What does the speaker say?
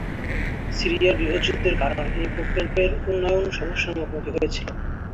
সিরিয়ার গৃহযুদ্ধের কারণে এই প্রকল্পের উন্নয়ন সমস্যার মুখোমুখি হয়েছিল।